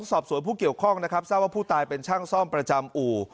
สอบสวนผู้เกี่ยวข้องนะครับทราบว่าผู้ตายเป็นช่างซ่อมประจำอู่